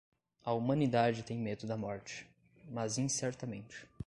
A humanidade tem medo da morte, mas incertamente.